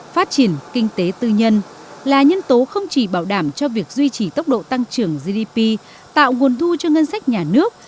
phát triển kinh tế tư nhân là nhân tố không chỉ bảo đảm cho việc duy trì tốc độ tăng trưởng gdp tạo nguồn thu cho ngân sách nhà nước